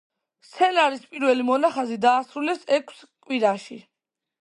სცენარის პირველი მონახაზი დაასრულეს ექვს კვირაში.